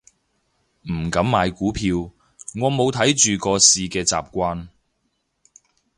唔敢買股票，我冇睇住個市嘅習慣